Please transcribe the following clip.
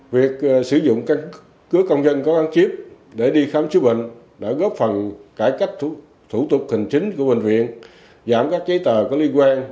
việc sử dụng căn cứ công dân có ăn chip để đi khám chữa bệnh đã góp phần cải cách thủ tục hình chính của bệnh viện giảm các giấy tờ có liên quan